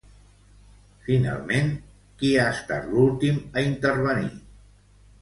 Finalment, qui ha estat l'últim a intervenir?